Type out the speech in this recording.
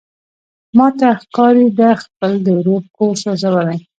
ماته ښکاري ده خپله د ورور کور سوزولی.